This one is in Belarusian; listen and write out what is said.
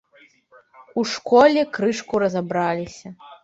У школе крышку разабраліся.